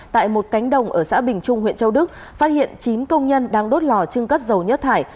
tại một cánh đồng ở xã bình trung huyện châu đức phát hiện chín công nhân đang đốt lò trưng cất dầu nhất thải